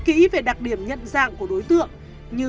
kỹ về đặc điểm nhận dạng của đối tượng như